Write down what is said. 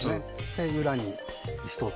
で裏に１つ。